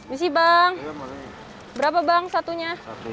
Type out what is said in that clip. misi bang berapa bang satunya